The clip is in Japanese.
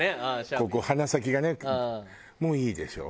ここ鼻先がね。もいいでしょ。